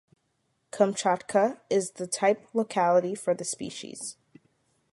Kamchatka is the type locality for the species.